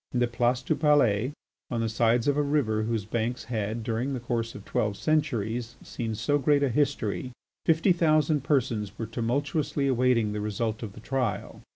In the Place du Palais on the sides of a river whose banks had during the course of twelve centuries seen so great a history, fifty thousand persons were tumultuously awaiting the result of the trial.